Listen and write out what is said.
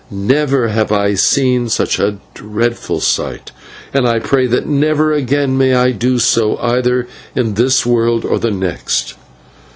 Never have I seen such a dreadful sight, and I pray that never again may I do so either in this world or the next.